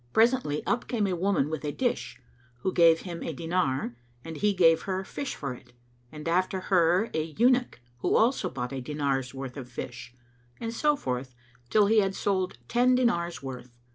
Presently, up came a woman with a dish, who gave him a dinar, and he gave her fish for it; and after her an eunuch, who also bought a dinar's worth of fish, and so forth till he had sold ten dinars' worth.